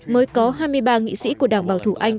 mới có hai mươi ba nghị sĩ của đảng bảo thủ anh